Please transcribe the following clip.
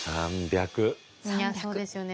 そうですよね